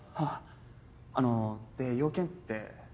あので用件って？